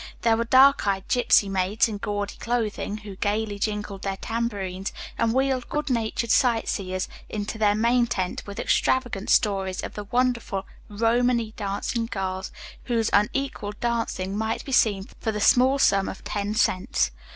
There were dark eyed gypsy maids in gaudy clothing, who gayly jingled their tambourines and wheedled good natured sightseers into their main tent with extravagant stories of the wonderful Romany dancing girls whose unequaled dancing might be seen for the small sum of ten cents.